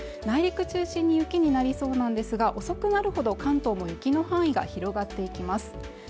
内陸中心に雪になりそうなんですが遅くなるほど関東も雪の範囲が広がっていきます